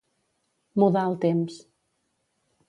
Mudar el temps.